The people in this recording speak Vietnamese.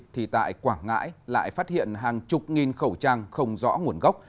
thì tại quảng ngãi lại phát hiện hàng chục nghìn khẩu trang không rõ nguồn gốc